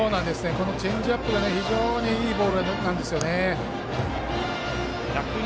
このチェンジアップが非常にいいボールなんです。